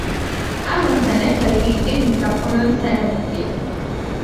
ამასთან ერთად იგი წიგნის გაფორმების ელემენტია.